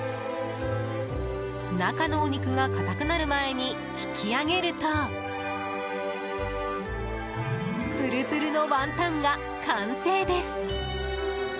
中のお肉が固くなる前に引き上げるとプルプルのワンタンが完成です。